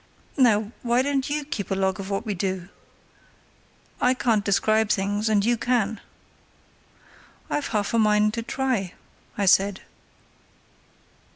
"Now, why don't you keep a log of what we do? I can't describe things, and you can." "I've half a mind to try," I said.